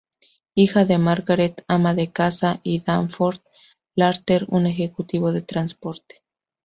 Hija de Margaret, ama de casa y Danforth Larter un ejecutivo de transporte.